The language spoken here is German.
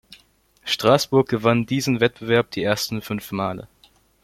Straßburg gewann diesen Wettbewerb die ersten fünf Male.